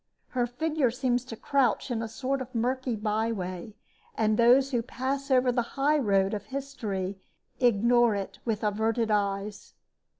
Her figure seems to crouch in a sort of murky byway, and those who pass over the highroad of history ignore it with averted eyes.